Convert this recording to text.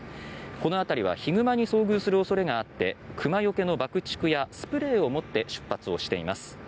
この辺りはヒグマに遭遇する恐れがあって熊よけの爆竹やスプレーを持って出発しています。